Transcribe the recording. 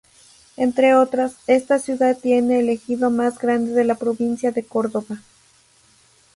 Entre otras, esta ciudad tiene el ejido más grande de la provincia de Córdoba.